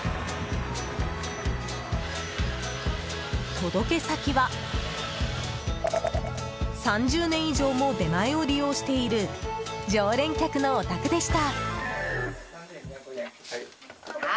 届け先は３０年以上も出前を利用している常連客のお宅でした。